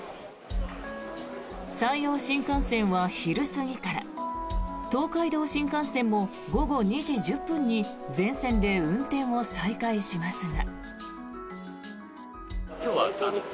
山陽新幹線は昼過ぎから東海道新幹線も午後２時１０分に全線で運転を再開しますが。